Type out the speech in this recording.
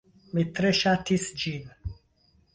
Mi tre ŝatis ĝin.